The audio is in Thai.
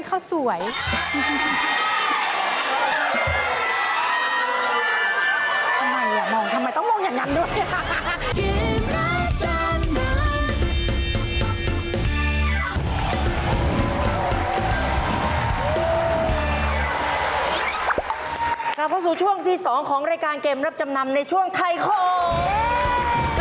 เข้าสู่ช่วงที่๒ของรายการเกมรับจำนำในช่วงไทยของ